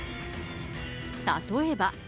例えば。